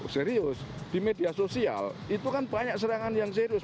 serius di media sosial itu kan banyak serangan yang serius